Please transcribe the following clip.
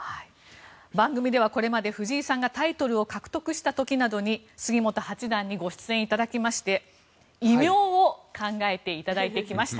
番組ではこれまで藤井さんがタイトルを獲得した時などに杉本八段にご出演いただきまして異名を考えていただいてきました。